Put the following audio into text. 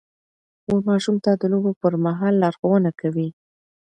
مور ماشوم ته د لوبو پر مهال لارښوونه کوي.